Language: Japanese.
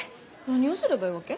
何をすればいいわけ？